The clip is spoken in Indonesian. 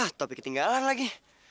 ah topi ketinggalan lagi